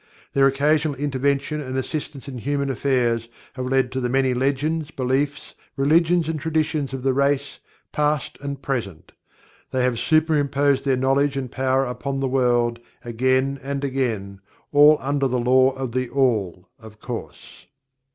Their occasional intervention and assistance in human affairs have led to the many legends, beliefs, religions and traditions of the race, past and present. They have superimposed their knowledge and power upon the world, again and again, all under the Law of THE ALL, of course.